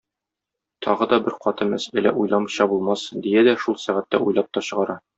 Тагы да бер каты мәсьәлә уйламыйча булмас,- дия дә шул сәгатьтә уйлап та чыгара.